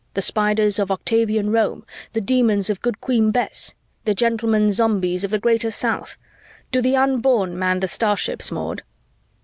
The Spiders of Octavian Rome? The Demons of Good Queen Bess? The gentlemen Zombies of the Greater South? Do the Unborn man the starships, Maud?